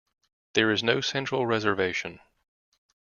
There is no central reservation.